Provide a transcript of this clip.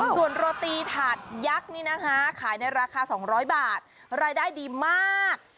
ส่วนโรตีถาดยักษ์นี่นะคะขายในราคา๒๐๐บาทรายได้ดีมาก